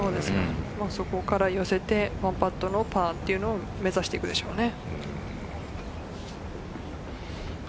そこから寄せて１パットのパーを目指していくんでしょうね。